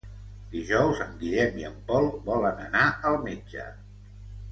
Dijous en Guillem i en Pol volen anar al metge.